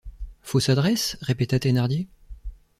Fausse adresse? répéta Thénardier.